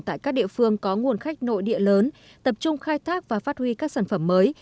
tại các địa phương có nguồn khách nội địa lớn tập trung khai thác và phát huy các sản phẩm mới